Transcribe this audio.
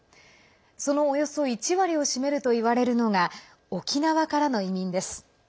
その、およそ１割を占めるといわれるのが沖縄からの移民です。